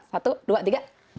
satu dua tiga